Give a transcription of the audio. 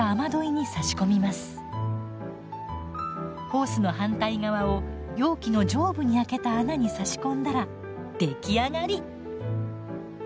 ホースの反対側を容器の上部に開けた穴に差し込んだら出来上がり！